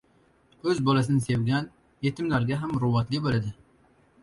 • O‘z bolasini sevgan yetimlarga ham muruvvatli bo‘ladi.